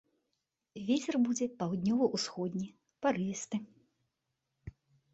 Вецер будзе паўднёва-ўсходні, парывісты.